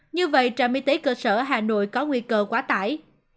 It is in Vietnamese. như vậy trạm y tế cơ sở hà nội có nguy cơ quá tải